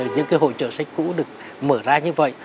những hội trợ sách cũ được mở ra như vậy